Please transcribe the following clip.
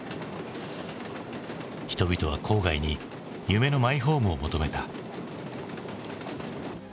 人々は郊外に夢のマイホームを求めた。